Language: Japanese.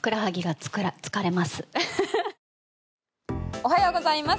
おはようございます。